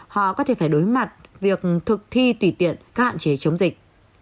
họ có thể phải đối mặt việc thực thi tùy tiện các hạn chế chống dịch